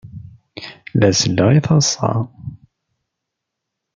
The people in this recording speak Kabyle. La selleɣ i taḍsa.